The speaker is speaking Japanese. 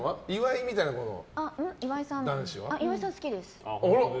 岩井さん、好きです。